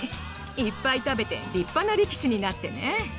いっぱい食べて立派な力士になってね。